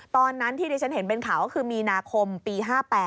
ตอนนั้นที่ดิฉันเห็นเป็นข่าวก็คือมีนาคมปี๕๘